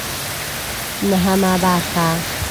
نهمه برخه